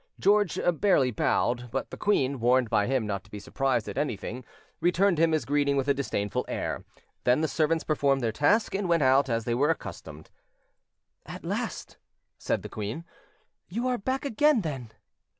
George barely bowed; but the queen, warned by him not to be surprised at anything, returned him his greeting with a disdainful air; then the servants performed their task and went out, as they were accustomed. "At last," said the queen, "you are back again, then."